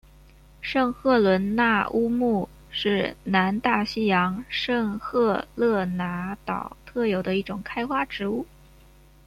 圣赫伦那乌木是南大西洋圣赫勒拿岛特有的一种开花植物。